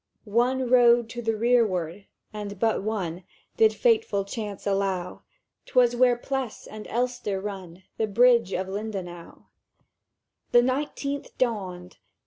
"One road to the rearward, and but one, Did fitful Chance allow; 'Twas where the Pleiss' and Elster run— The Bridge of Lindenau. "The nineteenth dawned.